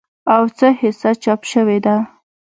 او څه حصه چاپ شوې ده